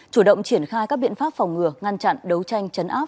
chủ động triển khai các biện pháp phòng ngừa ngăn chặn đấu tranh chấn áp